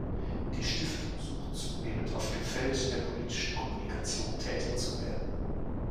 Die Stiftung sucht zunehmend auf dem Feld der politischen Kommunikation tätig zu werden.